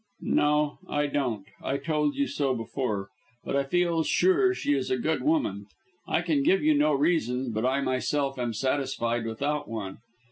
"No, I don't. I told you so before; but I feel sure she is a good woman. I can give you no reason, but I myself am satisfied without one.